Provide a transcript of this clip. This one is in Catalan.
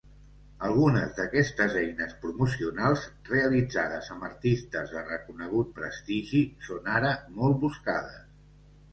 Algunes d'aquestes eines promocionals, realitzades amb artistes de reconegut prestigi, són ara molt buscades.